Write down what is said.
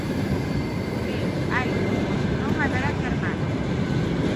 Leo: Haina, ou senón haberá que armala.